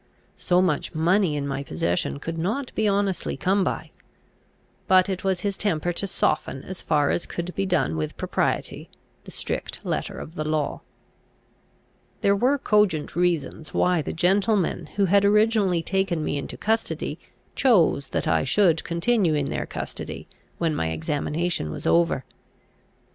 So much money in my possession could not be honestly come by. But it was his temper to soften, as far as could be done with propriety, the strict letter of the law. There were cogent reasons why the gentlemen who had originally taken me into custody, chose that I should continue in their custody when my examination was over.